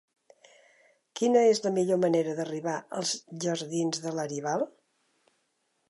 Quina és la millor manera d'arribar als jardins de Laribal?